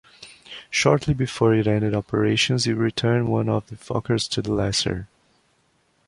Shortly before it ended operations, it returned one of the Fokkers to the lessor.